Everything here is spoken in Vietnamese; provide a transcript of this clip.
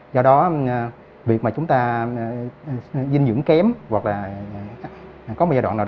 do đó việc mà chúng ta dinh dưỡng kém hoặc là có một giai đoạn nào đó